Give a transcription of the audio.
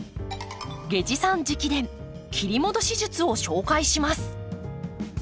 下司さん直伝切り戻し術を紹介します。